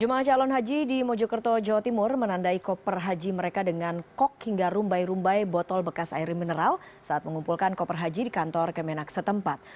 jemaah calon haji di mojokerto jawa timur menandai koper haji mereka dengan kok hingga rumbai rumbai botol bekas air mineral saat mengumpulkan koper haji di kantor kemenak setempat